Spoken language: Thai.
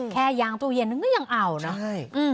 แค่ยางตู้เย็นนึงก็ยังเอานะใช่